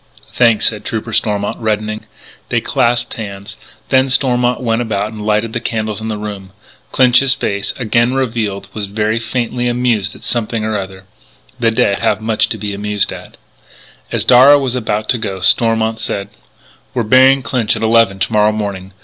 "Thanks," said Trooper Stormont, reddening. They clasped hands. Then Stormont went about and lighted the candles in the room. Clinch's face, again revealed, was still faintly amused at something or other. The dead have much to be amused at. As Darragh was about to go, Stormont said: "We're burying Clinch at eleven to morrow morning.